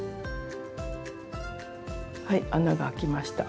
はい穴が開きました。